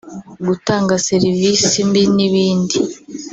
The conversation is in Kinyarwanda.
gutanga serivisi mbi n’ibindi